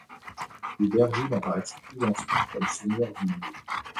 Les Vergy n'apparaissent plus ensuite comme seigneurs du lieu.